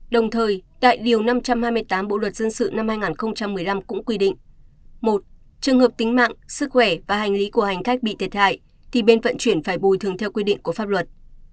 đồng thời tại điều năm trăm hai mươi tám bộ luật dân sự năm hai nghìn một mươi năm cũng quy định một trường hợp tính mạng sức khỏe và hành lý của hành khách bị thiệt hại thì bên vận chuyển phải bồi thường theo quy định của pháp luật